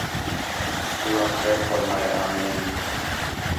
اللہ خیر فرمائے آمین